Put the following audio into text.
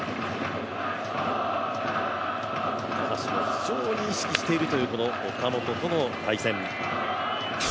非常に意識しているという岡本との対戦。